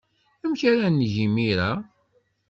Amek ara neg imir-a?